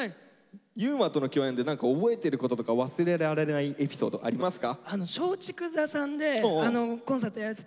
優馬との共演で何か覚えてることとか忘れられないエピソードありますか？